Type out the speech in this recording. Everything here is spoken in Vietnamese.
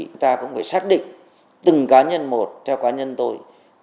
chúng ta cũng phải xác định từng cá nhân một theo cá nhân tôi